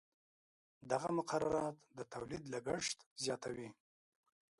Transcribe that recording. دغه مقررات د تولید لګښت زیاتوي.